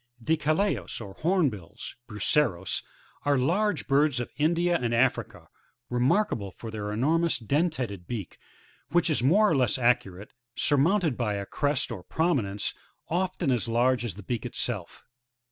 The Calaos, or Hornbil/sf Bucerosy — are large birds of India and Africa, remarkable for their enormous dentated beak, which is more or less arcuate, surmounted by a crest or promi nence, often as large as the beak itself.